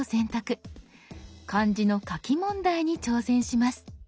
漢字の書き問題に挑戦します。